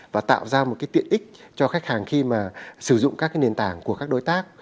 và tạo ra một tiện ích cho khách hàng khi sử dụng các nền tảng của các đối tác